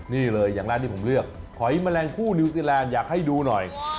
นี่เลยอย่างแรกที่ผมเลือกหอยแมลงคู่นิวซีแลนด์อยากให้ดูหน่อย